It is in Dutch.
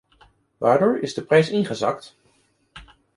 Waardoor is de prijs ingezakt?